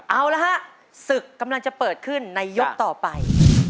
เอาละฮะศึกกำลังจะเปิดขึ้นในยกต่อไป